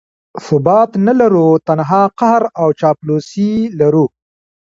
ثبات نه لرو، تنها قهر او چاپلوسي لرو.